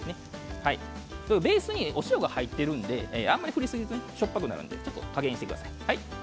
ベースにお塩が入っているので振りすぎるとしょっぱくなるので加減してください。